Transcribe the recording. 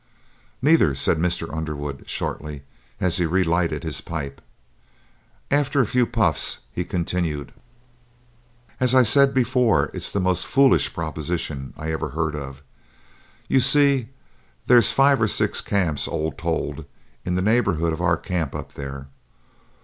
"Neither," said Mr. Underwood, shortly, as he re lighted his pipe. After a few puffs he continued: "As I said before, it's the most foolish proposition I ever heard of. You see, there's five or six camps, all told, in the neighborhood of our camp up there.